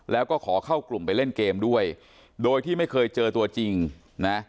แล้วก็ขอเข้ากลุ่มไปเล่นเกมด้วยโดยที่ไม่เคยเจอตัวจริงนะ